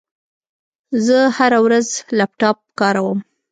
زه هره ورځ لپټاپ کاروم.